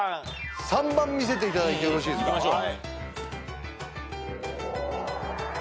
３番見せていただいてよろしいですか？